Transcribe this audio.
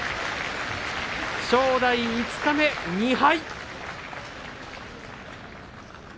正代、五日目、２敗。